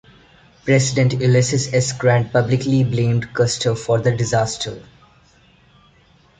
President Ulysses S. Grant publicly blamed Custer for the disaster.